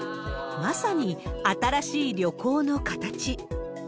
まさに新しい旅行の形。